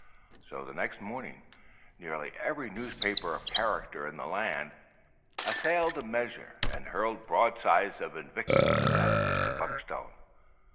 So the next morning, nearly every newspaper of character in the land assailed the measure and hurled broadsides of invective at Mr. Buckstone.